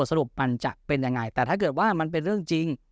สรุปมันจะเป็นยังไงแต่ถ้าเกิดว่ามันเป็นเรื่องจริง